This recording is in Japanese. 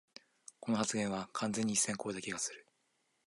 この発言は完全に一線こえた気がする